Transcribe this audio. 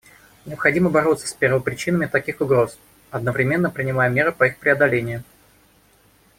Необходимо бороться с первопричинами таких угроз, одновременно принимая меры по их преодолению.